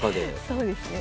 そうですね。